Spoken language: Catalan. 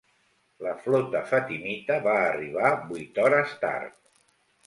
La flota fatimita va arribar vuit hores tard.